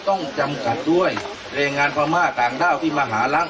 อยากจำหนักด้วยแรงงานรังงานปอะม่าต่างด้าวที่มาหาร้าง